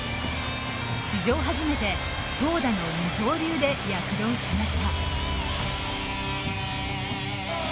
史上初めて投打の二刀流で躍動しました。